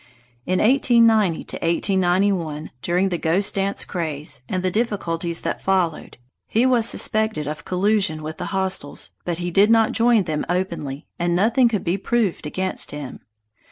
In 1890 1891, during the "Ghost Dance craze" and the difficulties that followed, he was suspected of collusion with the hostiles, but he did not join them openly, and nothing could be proved against him.